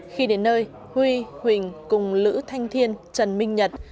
khi đến nơi huy huỳnh cùng lữ thanh thiên trần minh nhật